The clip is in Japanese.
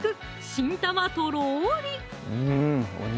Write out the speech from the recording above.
新玉とろり！